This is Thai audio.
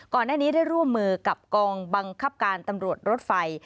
ก่อนหน้านี้ได้ร่วมมือกับกองบังคับการตำรวจรถไฟ